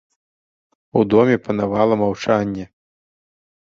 У доме панавала маўчанне.